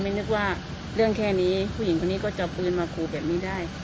นึกว่าเรื่องแค่นี้ผู้หญิงคนนี้ก็จะเอาปืนมาขู่แบบนี้ได้